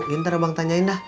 ya ntar abang tanyain dah